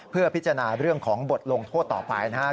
เพื่อพิจารณาเรื่องของบทลงโทษต่อไปนะครับ